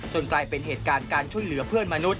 กลายเป็นเหตุการณ์การช่วยเหลือเพื่อนมนุษย